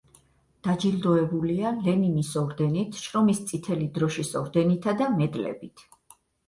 დაჯილდოებულია: ლენინის ორდენით, შრომის წითელი დროშის ორდენითა და მედლებით.